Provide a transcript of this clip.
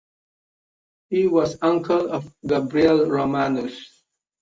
He was uncle of Gabriel Romanus.